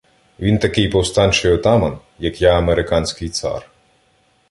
— Він такий повстанчий отаман, як я американський цар.